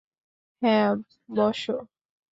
হ্যাঁ, বস।